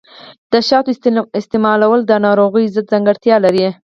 د شاتو استعمال د ناروغیو ضد ځانګړتیا لري.